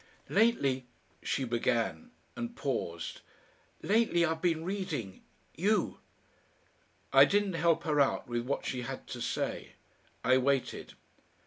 "Lately," she began, and paused. "Lately I've been reading you." I didn't help her out with what she had to say. I waited.